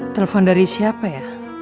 telepon dari siapa ya